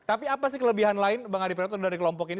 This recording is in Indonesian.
tapi apa sih kelebihan lain bang adi pratno dari kelompok ini